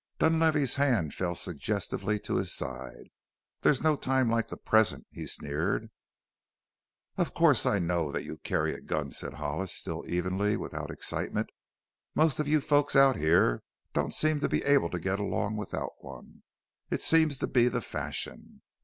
Dunlavey's hand fell suggestively to his side. "There's no time like the present," he sneered. "Of course I know that you carry a gun," said Hollis still evenly, without excitement; "most of you folks out here don't seem to be able to get along without one it seems to be the fashion.